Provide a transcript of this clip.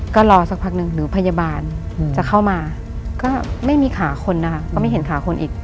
ก็รอสักพักหนึ่งหรือพยาบาลจะเข้ามาก็ไม่มีขาคนนะคะก็ไม่เห็นขาคนอีก